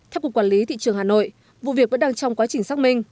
theo cục quản lý thị trường hà nội vụ việc vẫn đang trong quá trình xác minh